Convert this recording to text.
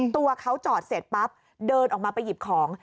ตัวเขาจอดเสร็จปั๊บเดินออกมาไปหยิบของ